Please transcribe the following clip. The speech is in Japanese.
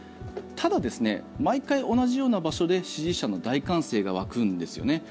ただ、毎回同じような場所で支持者の大歓声が沸くんですよね。